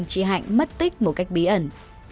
thì vợ chồng anh đỗ hoàng bình chỉ hạnh mất tích một cách bí ẩn